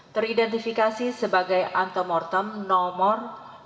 teridentifikasi sebagai antemortem nomor dua ratus satu